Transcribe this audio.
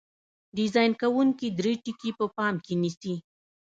ډیزاین کوونکي درې ټکي په پام کې نیسي.